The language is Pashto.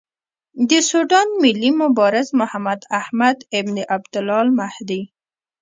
د سوډان ملي مبارز محمداحمد ابن عبدالله المهدي.